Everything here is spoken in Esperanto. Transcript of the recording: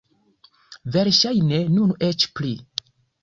Verŝajne nun eĉ pli.